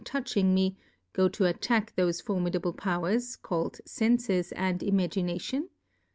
itSp touching me, go to attack thofe formi dable Powers, caird Senfes and Imagi nation